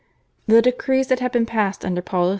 The decrees that had been passed under Paul III.